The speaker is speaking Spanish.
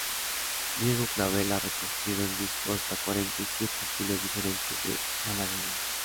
Diego Clavel ha recogido en disco hasta cuarenta y siete estilos diferentes de malagueña.